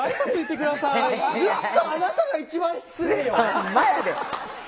ほんまやで。